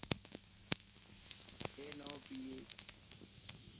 اي نو ٻئي.